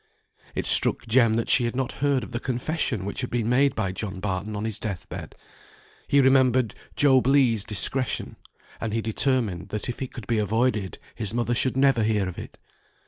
It struck Jem that she had not heard of the confession which had been made by John Barton on his death bed; he remembered Job Legh's discretion, and he determined that if it could be avoided his mother should never hear of it.